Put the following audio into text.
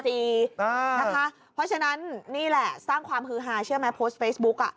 เพราะฉะนั้นนี่แหละสร้างความฮือฮาเชื่อไหมโพสต์เฟซบุ๊ก